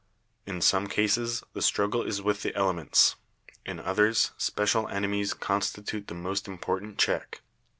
In some cases the struggle is with the elements, in others special enemies constitute the most important check.